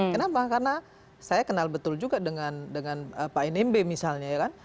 kenapa karena saya kenal betul juga dengan pak enembe misalnya